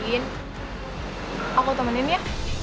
din aku temenin ya